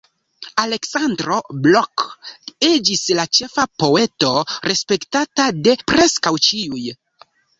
Aleksandro Blok iĝis la ĉefa poeto, respektata de preskaŭ ĉiuj.